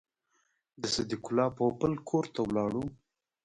د صدیق الله پوپل کور ته ولاړو.